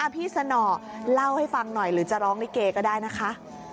พี่สนอเล่าให้ฟังหน่อยหรือจะร้องลิเกก็ได้นะคะ